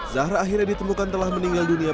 zahra akhirnya ditemukan telah meninggal dunia